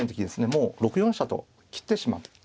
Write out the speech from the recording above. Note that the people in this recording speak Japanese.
もう６四飛車と切ってしまって。